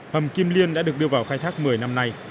hầm kim liên đã được đưa vào khai thác một mươi năm nay